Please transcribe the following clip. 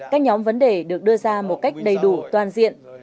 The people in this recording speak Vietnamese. các nhóm vấn đề được đưa ra một cách đầy đủ toàn diện